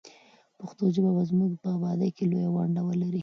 پښتو ژبه به زموږ په ابادۍ کې لویه ونډه ولري.